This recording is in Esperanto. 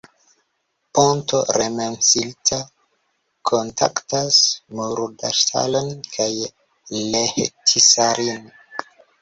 Ponto Lemmensilta kontaktas Muuratsalon kaj Lehtisaarin.